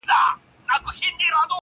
زما د اوښکو په سمار راته خبري کوه,